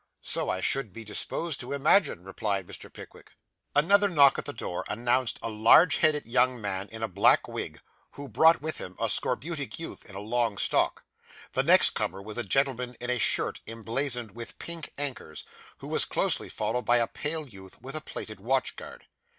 'So I should be disposed to imagine,' replied Mr. Pickwick. Another knock at the door announced a large headed young man in a black wig, who brought with him a scorbutic youth in a long stock. The next comer was a gentleman in a shirt emblazoned with pink anchors, who was closely followed by a pale youth with a plated watchguard.